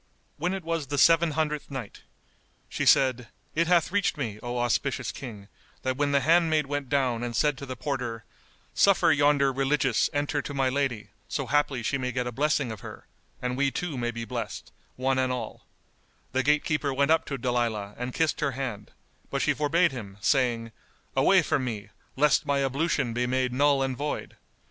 When it was the Seven Hundredth Night, She said, It hath reached me, O auspicious King, that when the handmaid went down and said to the porter, "Suffer yonder Religious enter to my lady so haply she may get a blessing of her, and we too may be blessed, one and all," the gate keeper went up to Dalilah and kissed her hand, but she forbade him, saying, "Away from me, lest my ablution be made null and void.